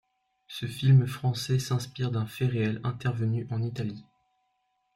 Ce film français s'inspire d'un fait réel intervenu en Italie.